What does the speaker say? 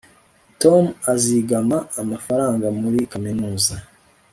tom azigama amafaranga muri kaminuza